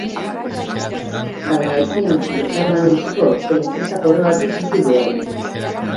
Baina ez zion luzaroan eutsiko printzesa koroatu tituluari.